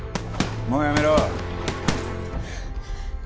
もうやめろ。